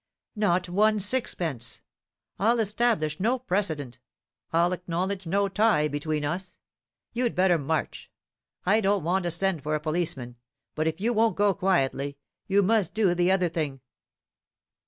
"Not one sixpence. I'll establish no precedent; I'll acknowledge no tie between us. You'd better march. I don't want to send for a policeman; but if you won't go quietly, you must do the other thing."